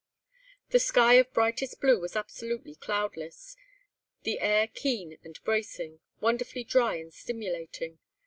The sky of brightest blue was absolutely cloudless, the air keen and bracing; wonderfully dry and stimulating.